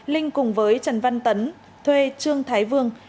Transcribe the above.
linh cùng với trần văn tấn thuê trương thái vương